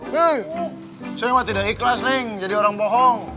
hei saya mah tidak ikhlas neng jadi orang bohong